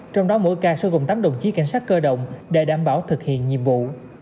trong đó mỗi ca sẽ gồm tám đồng chí cảnh sát cơ động để đảm bảo thực hiện nhiệm vụ